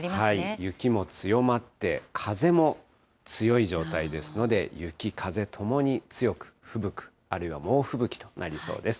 雪も強まって、風も強い状態ですので、雪、風、ともに強くふぶく、あるいは猛吹雪となりそうです。